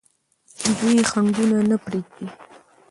دوی خنډونه نه پرېږدي.